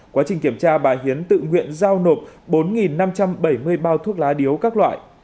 quá trình kiểm tra bà hiến tự nguyện giao nộp bốn năm trăm bảy mươi bao thuốc lá điếu các loại